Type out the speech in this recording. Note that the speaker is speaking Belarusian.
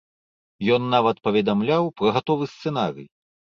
Ён нават паведамляў пра гатовы сцэнарый.